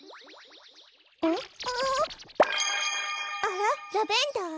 あらラベンダー？